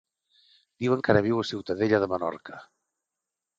Diuen que ara viu a Ciutadella de Menorca.